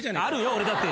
俺だって。